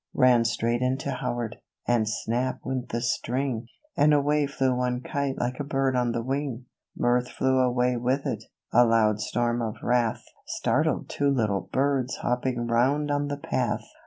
19 Ran straight into Howard, and snap went the string ; And away flew one kite like a bird on the wing ! Mirth flew away with it, — a loud storm of wrath Startled two little birds hopping round on the path.